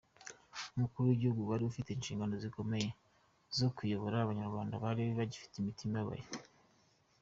Umukuru w’igihugu wari ufite inshingano zikomeye zo kuyobora abanyarwanda bari bagifite imitima ibababaye.